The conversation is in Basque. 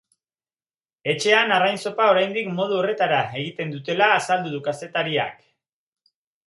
Etxean arrain-zopa oraindik modu horretara egiten dutela azaldu du kazetariak.